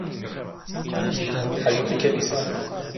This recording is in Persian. حیاط کلیسا